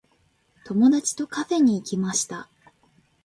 友達とカフェに行きました。